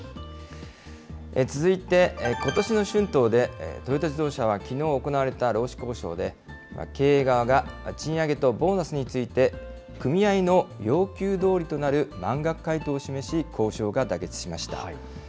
続いて、ことしの春闘でトヨタ自動車はきのう行われた労使交渉で、経営側が賃上げとボーナスについて、組合の要求どおりとなる満額回答を示し、交渉が妥結しました。